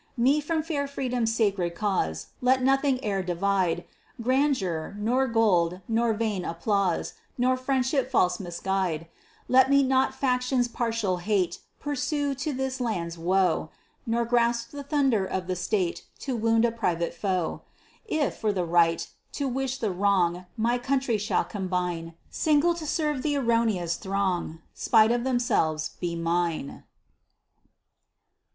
Me from fair freedom's sacred cause Let nothing e'er divide; Grandeur, nor gold, nor vain applause, Nor friendship false misguide. Let me not faction's partial hate Pursue to this land's woe; Nor grasp the thunder of the state To wound a private foe. If, for the right, to wish the wrong My country shall combine, Single to serve th' erron'ous throng, Spite of themselves, be mine.